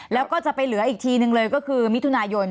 แล้วก็จะไปเหลืออีกทีหนึ่งเลยก็คือมิถุนายน